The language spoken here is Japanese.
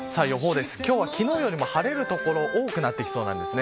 昨日よりも晴れる所が多くなってきそうです。